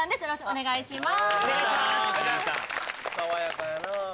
お願いします